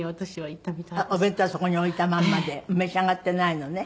お弁当はそこに置いたまんまで召し上がっていないのね。